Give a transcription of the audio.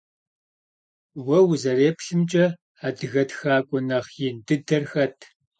Vue vuzerêplhımç'e, adıge txak'ue nexh yin dıder xet?